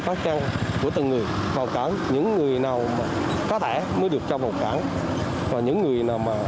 phát trang của từng người vào cản những người nào có thẻ mới được cho vào cản và những người nào mà